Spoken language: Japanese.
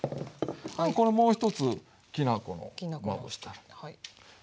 これもう一つきな粉まぶしてやると。